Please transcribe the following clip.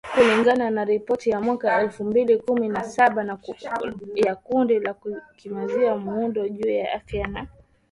kulingana na ripoti ya mwaka elfu mbili kumi na saba ya kundi la kimazingira la Muungano juu ya Afya na Uchafuzi